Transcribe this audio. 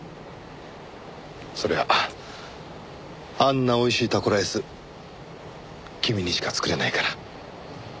そりゃあんなおいしいタコライス君にしか作れないから。